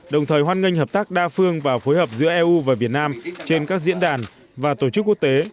đồng thời hoan nghênh hợp tác đa phương và phối hợp giữa eu và việt nam trên các diễn đàn và tổ chức quốc tế